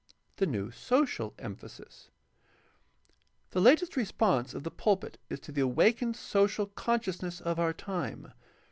The new social emphasis. — The latest response of the pul pit is to the awakened social consciousness of our time.